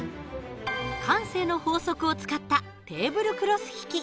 慣性の法則を使ったテーブルクロス引き。